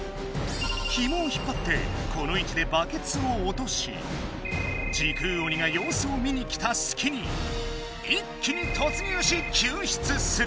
ひもを引っぱってこのいちでバケツをおとし時空鬼が様子を見に来たすきに一気にとつ入し救出する！